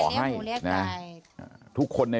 ชาวบ้านในพื้นที่บอกว่าปกติผู้ตายเขาก็อยู่กับสามีแล้วก็ลูกสองคนนะฮะ